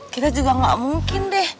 kita juga gak mungkin deh